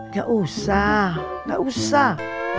gak usah gak usah